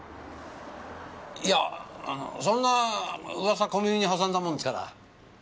いやあのそんな噂小耳に挟んだもんですから。